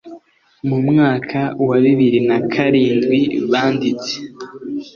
mu mwaka wa bibiri na karindwi banditse